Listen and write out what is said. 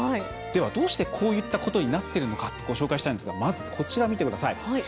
どうしてこういったことになっているのかご紹介したいんですがこちら見てください。